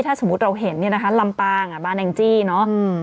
ถ้าสมมุติเราเห็นเนี่ยนะคะลำปางอ่ะบ้านแองจี้เนอะ